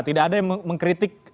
tidak ada yang mengkritik